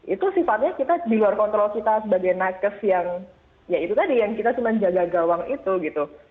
itu sifatnya kita di luar kontrol kita sebagai nakes yang ya itu tadi yang kita cuma jaga gawang itu gitu